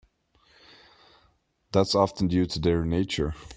That's often due to their nature.